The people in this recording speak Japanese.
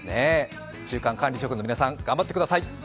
中間管理職の皆さん、頑張ってください。